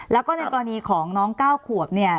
แล้วก็ในกรณีของน้อง๙ขวบเนี่ย